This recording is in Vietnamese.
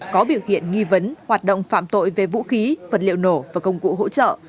có biểu hiện nghi vấn hoạt động phạm tội về vũ khí vật liệu nổ và công cụ hỗ trợ